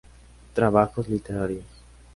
Trabajos literarios